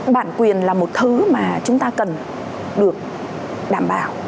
bản quyền là một thứ mà chúng ta cần được đảm bảo